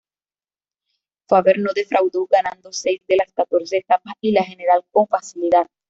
Faber no defraudó, ganando seis de las catorce etapas y la general con facilidad.